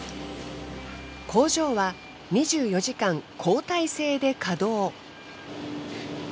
工場は２４時間交代制で稼働。